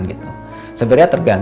kita harus memiliki percobaan